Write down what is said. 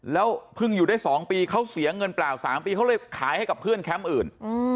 แล้วเพิ่งอยู่ได้๒ปีเขาเสียเงินเปล่า๓ปีเขาเลยขายให้กับเพื่อนแคมป์อื่น